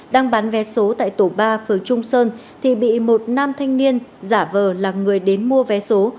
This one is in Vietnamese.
đang bán vé số tại tổ ba phường trung sơn thì bị một nam thanh niên giả vờ là người đến mua vé số